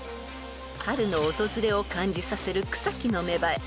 ［春の訪れを感じさせる草木の芽生え］